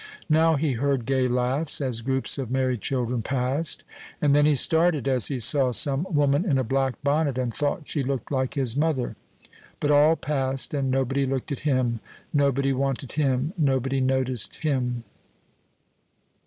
Now he heard gay laughs, as groups of merry children passed; and then he started, as he saw some woman in a black bonnet, and thought she looked like his mother. But all passed, and nobody looked at him, nobody wanted him, nobody noticed him.